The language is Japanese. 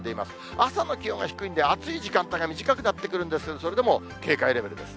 朝の気温は低いんで、暑い時間帯が短くなってくるんですけれども、それでも警戒レベルです。